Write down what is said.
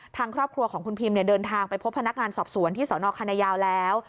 ทางครอบครัวของคุณพิมเดินทางไปพบพนักงานสอบสวนที่สนคณะยาวแล้ว